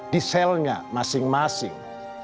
di selnya masing masing